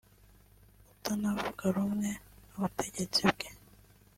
utanavuga rumwe n’ ubutegetsi bwe